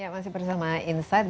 masih bersama insight